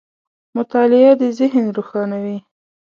• مطالعه د ذهن روښانوي.